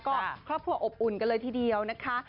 ก็ครอบครัวอบอุ่นกันเลยทีเดียวนะคะ